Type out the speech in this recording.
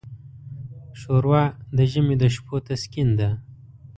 ښوروا د ژمي د شپو تسکین ده.